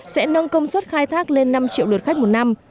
sẽ nâng công suất khai thác lên năm triệu lượt khách một năm